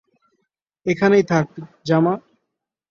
এখানেই থাক, জামা!